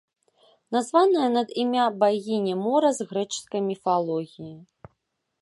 Названая ад імя багіні мора з грэчаскай міфалогіі.